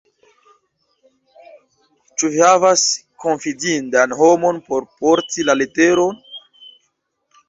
Ĉu vi havas konfidindan homon por porti la leteron?